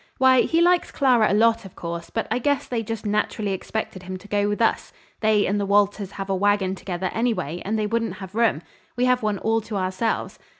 Why, he likes Clara a lot, of course, but I guess they just naturally expected him to go with us. They and the Walters have a wagon together, anyway, and they wouldn't have room. We have one all to ourselves.